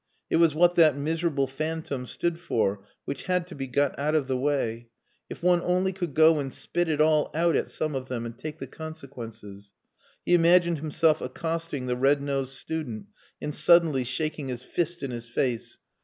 It was what that miserable phantom stood for which had to be got out of the way.... "If one only could go and spit it all out at some of them and take the consequences." He imagined himself accosting the red nosed student and suddenly shaking his fist in his face.